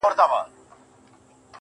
ما څوځلي د لاس په زور کي يار مات کړی دی.